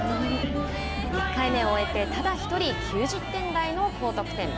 １回目を終えてただ１人９０点台の高得点。